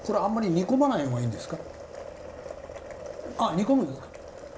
煮込むんですか？